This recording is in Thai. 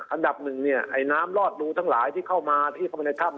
อันดับหนึ่งเนี่ยไอ้น้ำลอดรูทั้งหลายที่เข้ามาที่เข้าไปในถ้ำ